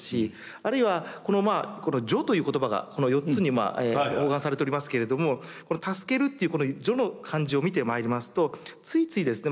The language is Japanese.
あるいはこの「助」という言葉がこの４つに包含されておりますけれどもこの「助ける」っていう「助」の漢字を見てまいりますとついついですね